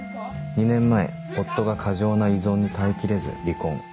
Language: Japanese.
２年前夫が過剰な依存に耐え切れず離婚。